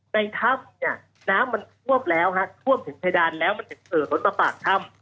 ในทัพเนี่ยน้ำน้ำมันทวบแล้วฮะทวบถึงเมดลันแล้วมันเพราะน้ำไปล้นมาปากถ้ำ